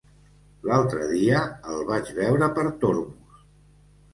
L'altre dia el vaig veure per Tormos.